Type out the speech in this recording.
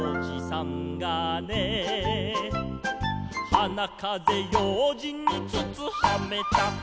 「はなかぜようじんにつつはめた」